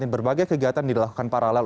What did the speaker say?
berbagai kegiatan dilakukan paralel